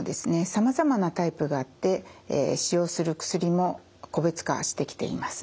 さまざまなタイプがあって使用する薬も個別化してきています。